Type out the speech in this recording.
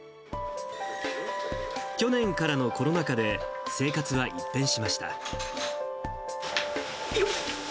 去年からのコロナ禍で、生活は一よっ。